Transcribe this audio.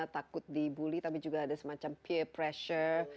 takut dibully tapi juga ada semacam peer pressure